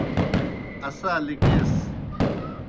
اسا لِکَیس۔